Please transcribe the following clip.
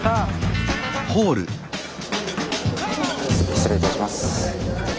失礼いたします。